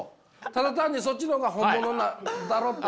ただ単にそっちの方が本物なんだろって。